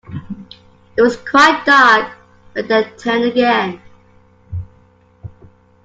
It was quite dark when they turned again.